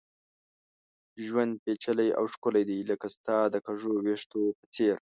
ژوند پېچلی او ښکلی دی ، لکه ستا د کږو ويښتو په څېر